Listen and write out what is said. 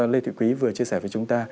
lê thị quý vừa chia sẻ với chúng ta